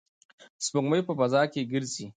سپوږمکۍ په فضا کې ګرځي.